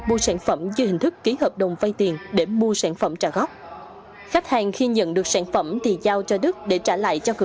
mua sản phẩm dưới hình thức ký hợp đồng vay tiền để mua sản phẩm trả góp